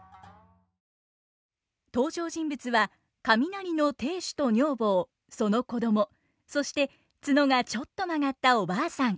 登場人物は雷の亭主と女房その子供そして角がちょっと曲がったお婆さん。